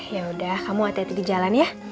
yaudah kamu hati hati di jalan ya